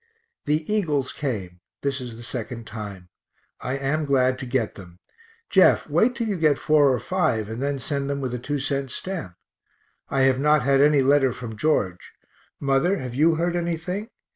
The Eagles came; this is the second time; I am glad to get them Jeff, wait till you get four or five, and then send them with a two cent stamp. I have not had any letter from George. Mother, have you heard anything?